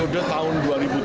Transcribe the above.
sudah tahun dua ribu tiga belas